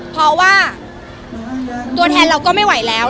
เพราะว่าตัวแทนเราก็ไม่ไหวแล้ว